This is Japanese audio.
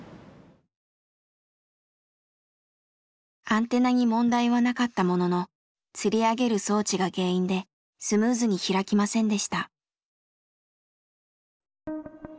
アンテナに問題はなかったもののつり上げる装置が原因でスムーズに開きませんでした。